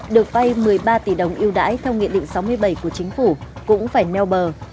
được vay một mươi ba tỷ đồng yêu đãi theo nghị định sáu mươi bảy của chính phủ cũng phải neo bờ